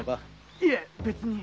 いえ別に。